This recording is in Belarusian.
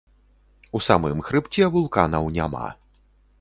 У самым хрыбце вулканаў няма.